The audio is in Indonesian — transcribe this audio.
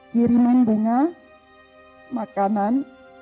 kiriman bunga makanan